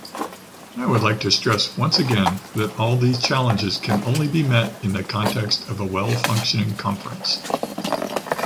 I would like to stress once again that all these challenges can only be met in the context of a well-functioning Conference.